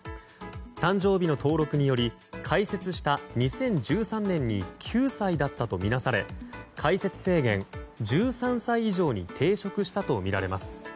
誕生日の登録により開設した２０１３年に９歳だったとみなされ開設制限、１３歳以上に抵触したとみられます。